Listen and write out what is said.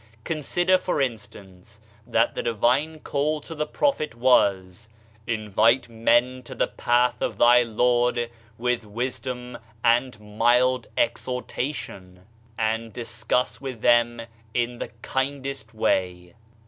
Consider, for instance, that the divine call to the Prophet was: "Invite men to the path of thy Lord with wisdom and mild exhortation; and discuss with them in the kindest way."